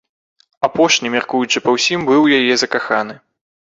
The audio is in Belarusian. Апошні, мяркуючы па ўсім, быў у яе закаханы.